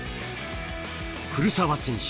古澤選手